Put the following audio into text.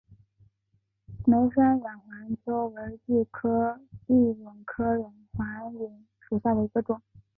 梅山远环蚓为巨蚓科远环蚓属下的一个种。